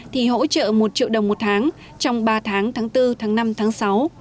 thì hỗ trợ một triệu đồng một tháng trong ba tháng tháng bốn tháng năm tháng sáu